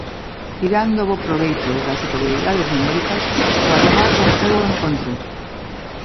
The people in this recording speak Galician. Tirando bo proveito das superioridades numéricas o ademar rompeu o encontro.